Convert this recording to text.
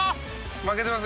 「負けてます